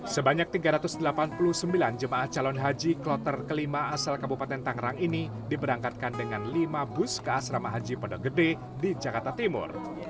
sebanyak tiga ratus delapan puluh sembilan jemaah calon haji kloter kelima asal kabupaten tangerang ini diberangkatkan dengan lima bus ke asrama haji pondok gede di jakarta timur